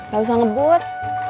gak usah ngebut